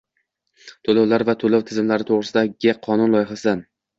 To'lovlar va to'lov tizimlari to'g'risida gi qonun loyihasidan